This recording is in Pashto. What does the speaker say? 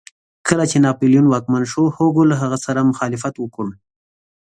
کله چې ناپلیون واکمن شو هوګو له هغه سره مخالفت وکړ.